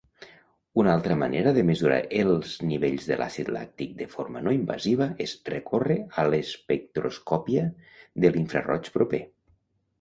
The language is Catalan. Una altra manera de mesurar els nivells de l'àcid làctic de forma no invasiva és recórrer a l'espectroscòpia de l'infraroig proper.